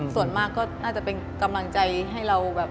ส่วนมากก็น่าจะเป็นกำลังใจให้เราแบบ